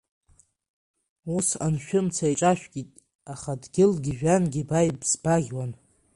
Усҟан шәымца еиҿашәкит, аха дгьылгьы жәҩангьы ба ибзаӷьуан.